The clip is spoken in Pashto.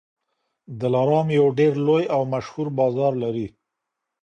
دلارام یو ډېر لوی او مشهور بازار لري.